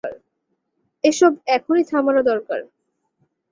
এসব এখনই থামানো দরকার।